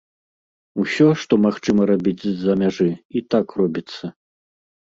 Усё, што магчыма рабіць з-за мяжы, і так робіцца.